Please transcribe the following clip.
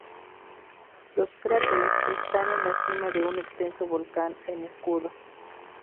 Los cráteres están en la cima de un extenso volcán en escudo.